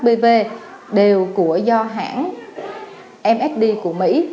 hai cái loại vaccine ngừa hpv đều của do hãng msd của mỹ